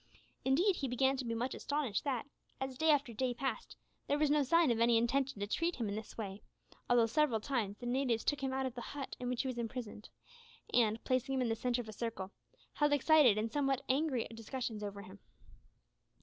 Indeed he began to be much astonished that, as day after day passed, there was no sign of any intention to treat him in this way, although several times the natives took him out of the hut in which he was imprisoned, and, placing him in the centre of a circle, held excited and sometimes angry discussions over him.